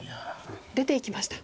出ていきました。